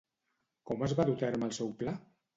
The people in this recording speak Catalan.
Com va dur a terme el seu pla?